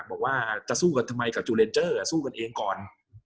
บอกว่าจะสู้กันทำไมกับจูเลนเจอร์สู้กันเองก่อน